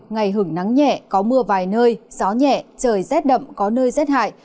ngày hưởng nắng nhẹ có mưa vài nơi gió nhẹ trời rét đậm có nơi rét hại